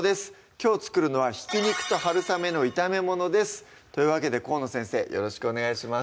きょう作るのは「挽肉と春雨の炒めもの」ですというわけで河野先生よろしくお願いします